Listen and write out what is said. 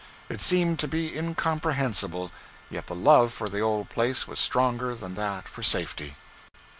It seemed to be incomprehensible, yet the love for the old place was stronger than that for safety.